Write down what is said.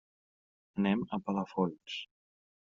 Anem a Palafolls.